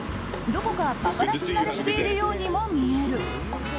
どこかパパラッチ慣れしているようにも見える。